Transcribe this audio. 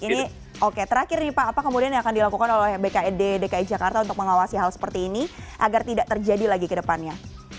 ini oke terakhir nih pak apa kemudian yang akan dilakukan oleh bked dki jakarta untuk mengawasi hal seperti ini agar tidak terjadi lagi ke depannya